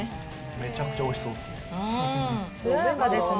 めちゃくちゃおいしそうですね。